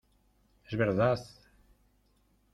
¡ es verdad!...